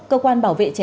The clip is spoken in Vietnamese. cơ quan bảo vệ trẻ em